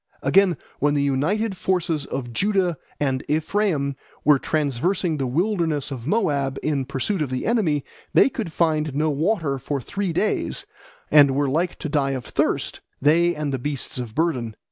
Again, when the united forces of Judah and Ephraim were traversing the wilderness of Moab in pursuit of the enemy, they could find no water for three days, and were like to die of thirst, they and the beasts of burden.